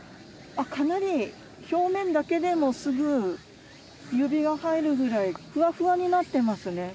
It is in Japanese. あっかなり表面だけでもすぐ指が入るぐらいふわふわになってますね。